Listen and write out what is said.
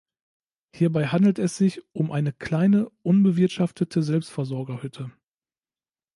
Hierbei handelte es sich um eine kleine unbewirtschaftete Selbstversorgerhütte.